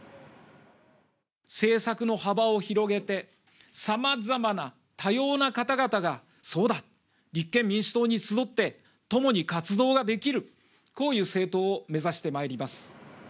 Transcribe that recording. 政策の幅を広げて、さまざまな多様な方々がそうだ、立憲民主党に集って、共に活動ができる、こういう政党を目指してまいります。